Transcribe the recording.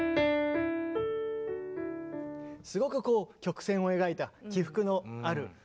すごくこう曲線を描いた起伏のある。